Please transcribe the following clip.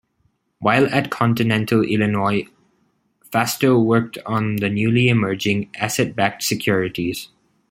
While at Continental Illinois, Fastow worked on the newly emerging "asset-backed securities".